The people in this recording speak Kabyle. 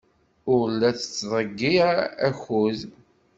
Ur la tettḍeyyiɛ akud.